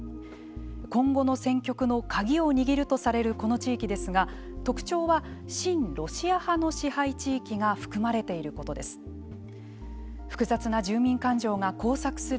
今後の戦局の鍵を握るとされるこの地域ですが特徴は親ロシア派の支配地域が含まれていることです。